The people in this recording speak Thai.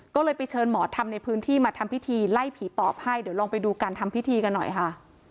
ก็เลยไปเชิญหมอธรรมในพื้นที่มาทำพิธีไล่ผีปอบให้เดี๋ยวลองไปดูการทำพิธีกันหน่อยค่ะ